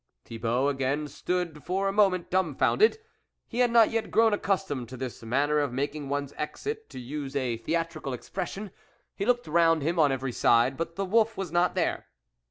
Thibault again stood for a moment dumbfounded. He had not yet grown accustomed to this manner of making one's exit, to use a theatrical expression ; he looked round him on every side, but the wolf was not there.